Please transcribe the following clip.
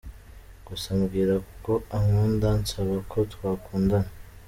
Gusa ambwira ko ankunda ansaba ko twakundana .